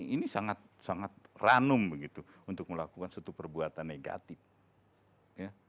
ini sangat sangat ranum begitu untuk melakukan suatu perbuatan negatif ya